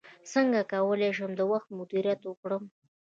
څنګه کولی شم د وخت مدیریت وکړم